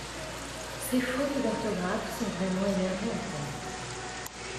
Ces fautes d’orthographe sont vraiment énervantes.